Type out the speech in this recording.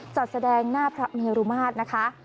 จัดแสดงหน้าพระเมรุมาตรนะคะ